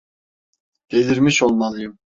Delirmiş olmalıyım.